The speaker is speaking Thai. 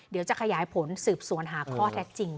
เดี๋ยวจะขยายผลสืบสวนหาข้อเท็จจริง